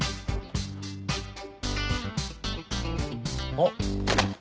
あっ。